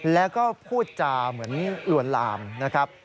แล้วก็พูดจาเหมือนลวนลามนะครับ